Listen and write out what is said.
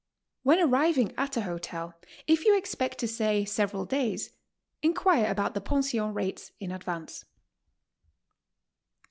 When ar riving at a hotel, if you expect to stay several days, inquire about the pension rates in advance.